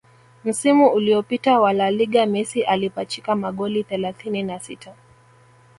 Msimu uliopita wa La Liga Messi alipachika magoli thelathini na sita